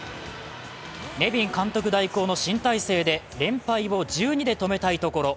ネビン代行監督の新体制で連敗を１２で止めたいところ。